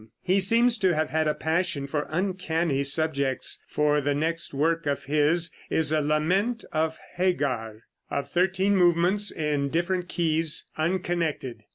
He seems to have had a passion for uncanny subjects, for the next work of his is a "Lament of Hagar," of thirteen movements in different keys, unconnected.